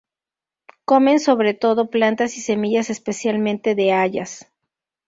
Comen sobre todo plantas y semillas, especialmente de hayas.